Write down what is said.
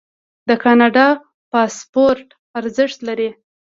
د کاناډا پاسپورت ارزښت لري.